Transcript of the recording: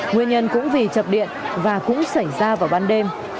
nguyên nhân cũng vì chập điện và cũng xảy ra vào ban đêm